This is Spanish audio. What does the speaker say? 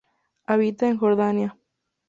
Habita en Jordania.